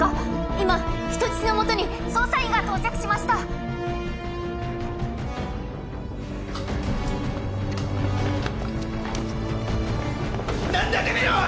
今人質のもとに捜査員が到着しました何だてめえらは！